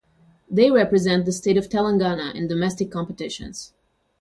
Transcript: They represent the state of Telangana in domestic competitions.